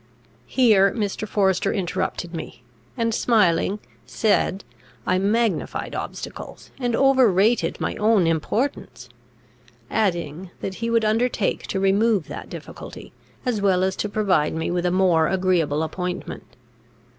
Here Mr. Forester interrupted me, and, smiling, said, I magnified obstacles, and over rated my own importance; adding, that he would undertake to remove that difficulty, as well as to provide me with a more agreeable appointment.